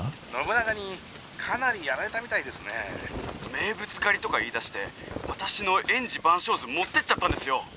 「名物狩りとか言いだして私の『煙寺晩鐘図』持ってっちゃったんですよ！